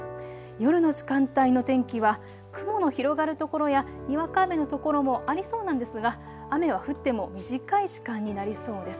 夜の時間帯の天気は雲の広がる所やにわか雨の所もありそうなんですが雨は降っても短い時間になりそうです。